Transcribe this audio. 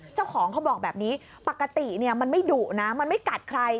เจ้าของเขาบอกแบบนี้ปกติมันไม่ดุนะมันไม่กัดใคร